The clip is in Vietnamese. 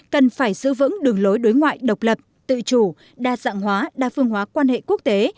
cần phải giữ vững đường lối đối ngoại độc lập tự chủ đa dạng hóa đa phương hóa quan hệ quốc tế